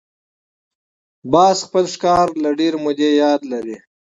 باز خپل ښکار له ډېرې مودې یاد لري